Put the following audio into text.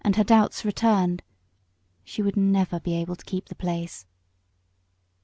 Her doubts returned; she never would be able to keep the place.